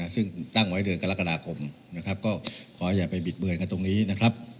ซึ่งตั้งไว้เดือนกรกฎาคมนะครับก็ขออย่าไปบิดเบือนกันตรงนี้นะครับ